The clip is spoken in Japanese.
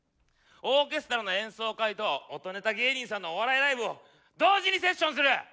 オーケストラの演奏会と音ネタ芸人さんのお笑いライブを同時にセッションする！